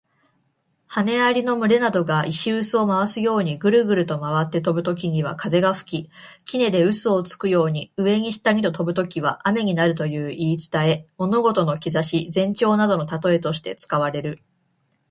羽蟻の群れなどが石臼を回すようにぐるぐると回って飛ぶときには風が吹き、杵で臼をつくように、上に下にと飛ぶときには雨になるという言い伝え。物事の兆し、前兆などの例えとして使われる。